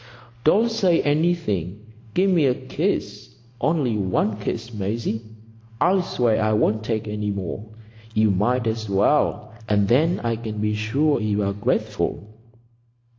"Don't say anything. Give me a kiss. Only one kiss, Maisie. I'll swear I won't take any more. You might as well, and then I can be sure you're grateful."